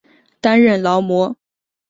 担任劳模。